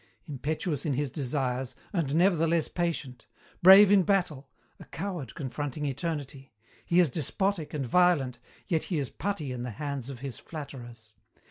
"Impetuous in his desires, and nevertheless patient; brave in battle, a coward confronting eternity; he is despotic and violent, yet he is putty in the hands of his flatterers.